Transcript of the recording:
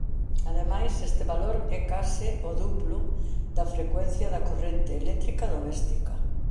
Ademais este valor é case o duplo da frecuencia da corrente eléctrica doméstica.